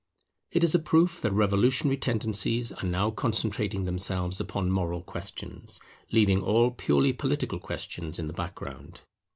It is a proof that revolutionary tendencies are now concentrating themselves upon moral questions, leaving all purely political questions in the background.